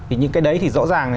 vì những cái đấy thì rõ ràng